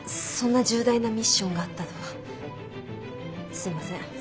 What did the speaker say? そんな重大なミッションがあったとはすみません。